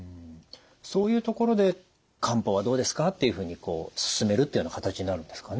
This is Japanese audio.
そういうところで「漢方はどうですか？」っていうふうに勧めるというような形になるんですかね？